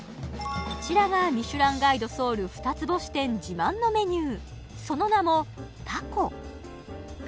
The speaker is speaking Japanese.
こちらが「ミシュランガイドソウル」二つ星店自慢のメニュー